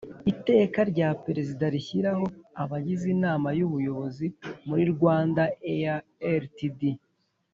Iteka rya Perezida rishyiraho abagize Inama y Ubuyobozi muri Rwandair Ltd